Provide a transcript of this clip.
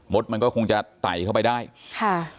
ดมันก็คงจะไต่เข้าไปได้ค่ะ